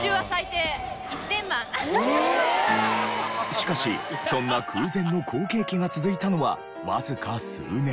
しかしそんな空前の好景気が続いたのはわずか数年。